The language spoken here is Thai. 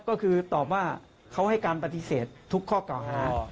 ก็คือเขาให้การปฏิเสธทุกข้อเก่าฮา